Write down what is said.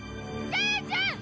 母ちゃん！